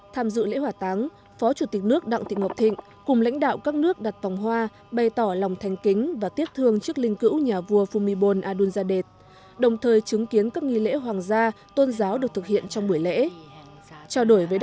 tham dự lễ hỏa táng phó chủ tịch nước đặng thị ngọc thịnh cùng lãnh đạo các nước đặt phòng hoa bày tỏ lòng thanh kính và tiếc thương trước linh cữu nhà vua phumifol adun zadet đồng thời chứng kiến các nghi lễ hoàng gia tôn giáo được thực hiện trong buổi lễ